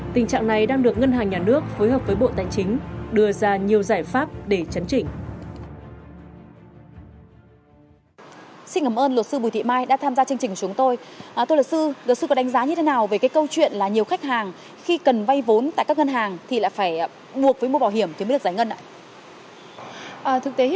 tình trạng này đang được ngân hàng nhà nước phối hợp với bộ tài chính đưa ra nhiều giải pháp để chấn trình